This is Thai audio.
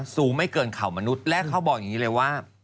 สูงไม่เกินเข่ามนุษย์และเขาบอกอย่างนี้เลยว่า